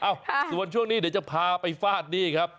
ส่วนช่วงนี้เดี๋ยวจะพาไปฟาดนี่ครับ